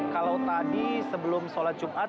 kalau tadi sebelum sholat jumat